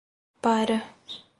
Para